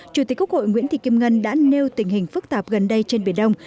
chủ tịch quốc hội nguyễn thị kim ngân đã nêu tình hình phức tạp gần đây trên biển đông